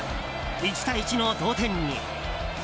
１対１の同点に。